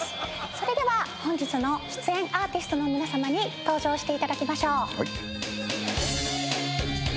それでは本日の出演アーティストの皆さまに登場していただきましょう。